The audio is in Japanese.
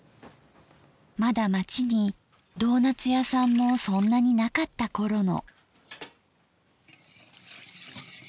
まだ町にドーナッツ屋さんもそんなになかった頃の。